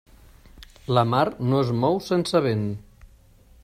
La mar no es mou sense vent.